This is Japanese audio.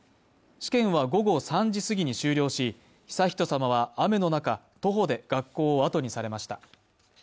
試験は午後３時すぎに終了し、悠仁さまは雨の中、徒歩で学校を後にされました。